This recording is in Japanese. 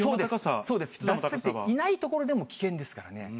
出されていない所でも危険ですからね。